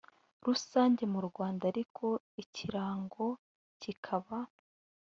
rusange mu rwanda ariko ikirango kikaba